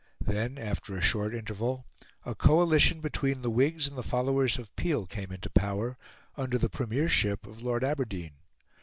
Then, after a short interval, a coalition between the Whigs and the followers of Peel came into power, under the premiership of Lord Aberdeen.